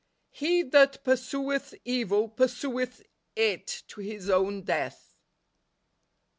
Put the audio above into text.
" He that pursueth evil pursueth it to his own death."